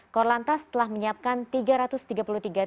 korlantas telah menyiapkan tiga ratus tiga puluh tiga titik